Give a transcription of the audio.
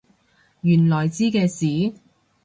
原來知嘅事？